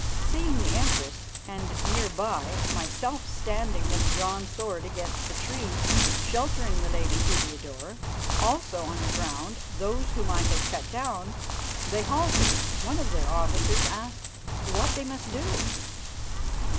Seeing the Empress and, near by, myself standing with drawn sword against the tree sheltering the lady Heliodore, also on the ground those whom I had cut down, they halted. One of their officers asked what they must do.